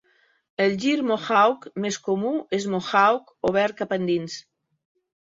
El gir mohawk més comú és mohawk obert cap endins.